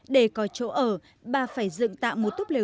để có chỗ ở bà phải dựng tạo một túp lều